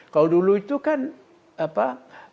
kalau dulu itu kan kementerian ngehnya sadarnya belakangan